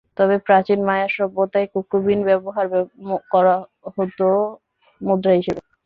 তবে প্রাচীন মায়া সভ্যতায় কোকো বিন ব্যবহার করা হতো মুদ্রা হিসেবে।